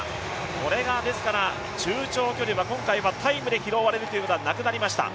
これが中長距離は今回はタイムで拾われることはなくなりました。